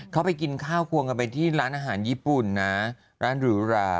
เขาไปกินข้าวควงกันไปที่ร้านอาหารญี่ปุ่นนะร้านหรูหรา